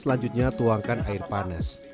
selanjutnya tuangkan air panas